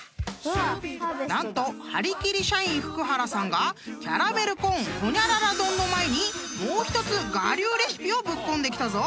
［何とはりきり社員福原さんがキャラメルコーンほにゃらら丼の前にもう１つ我流レシピをぶっ込んできたぞ］